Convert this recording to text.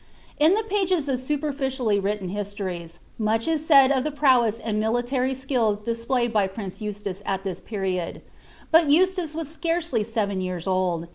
In the pages of superliriiilly written histories, much is said of te prowess and luilitaty skill displayed by prince Eustace at this period', but Eustace was scarcely seven year* old.